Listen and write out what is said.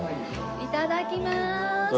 いただきます！